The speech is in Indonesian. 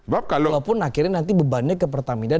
walaupun akhirnya nanti bebannya ke pertamina